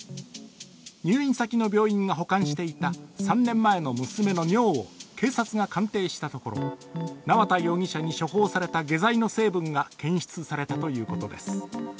入院先の病院が保管していた３年前の娘の尿を警察が調べた際縄田容疑者に処方された下剤の成分が検出されたということです。